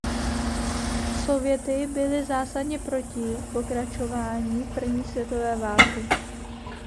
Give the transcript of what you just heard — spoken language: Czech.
Sověty byly zásadně proti pokračování první světové války.